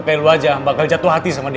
kayak lo aja bakal jatuh hati sama dia